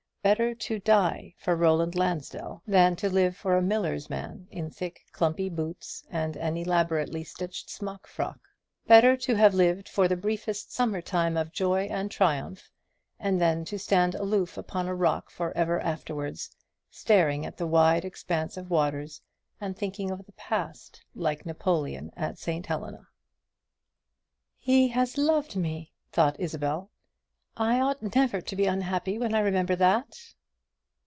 Better to die for Roland Lansdell than to live for a miller's man in thick clumpy boots and an elaborately stitched smock frock. Better to have lived for the briefest summer time of joy and triumph, and then to stand aloof upon a rock for ever afterwards, staring at the wide expanse of waters, and thinking of the past, like Napoleon at St. Helena. "He has loved me!" thought Isabel; "I ought never to be unhappy, when I remember that."